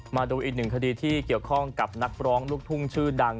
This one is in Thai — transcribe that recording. มาดูอีกหนึ่งคดีที่เกี่ยวข้องกับนักร้องลูกทุ่งชื่อดัง